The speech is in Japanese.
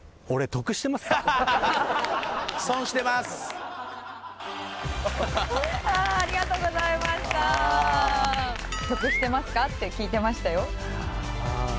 「得してますか？」って聞いてましたよ。